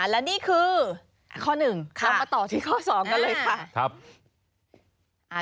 และนี่คือข้อ๑เรามาต่อที่ข้อ๒กันเลยค่ะ